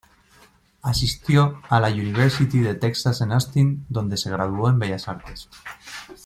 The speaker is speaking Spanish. Asistió a la University de Texas en Austin, donde se graduó en bellas artes.